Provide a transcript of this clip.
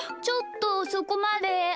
ちょっとそこまで。